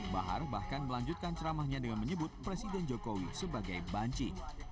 bahar bahkan melanjutkan ceramahnya dengan menyebut presiden jokowi sebagai banci